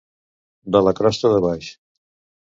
De la crosta de baix.